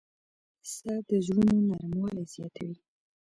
پسه د زړونو نرموالی زیاتوي.